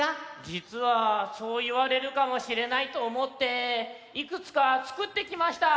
じつはそういわれるかもしれないとおもっていくつかつくってきました。